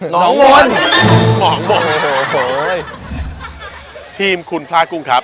หมองหมดหมองหมดโอ้โหทีมคุณพระกุ้งครับ